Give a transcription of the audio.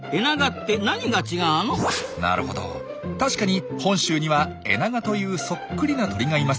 なるほど確かに本州にはエナガというそっくりな鳥がいます。